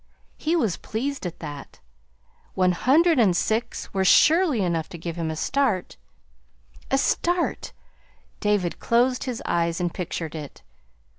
He was pleased at that. One hundred and six were surely enough to give him a "start." A start! David closed his eyes and pictured it.